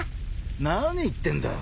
［何言ってんだ］